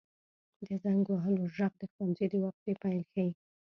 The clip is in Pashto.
• د زنګ وهلو ږغ د ښوونځي د وقفې پیل ښيي.